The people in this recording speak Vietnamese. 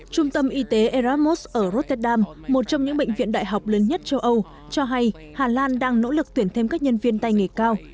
trung tâm y tế eramos ở rotterdam một trong những bệnh viện đại học lớn nhất châu âu cho hay hà lan đang nỗ lực tuyển thêm các nhân viên tay nghề cao